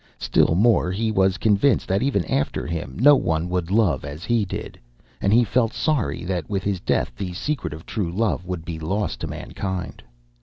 Still more, he was convinced that even after him no one would love as he did, and he felt sorry that with his death the secret of true love would be lost to mankind.